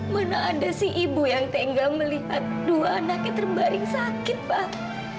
mana ada sih ibu yang tinggal melihat dua anaknya terbaring sakit pak